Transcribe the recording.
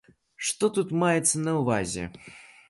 Што тут маецца на ўвазе?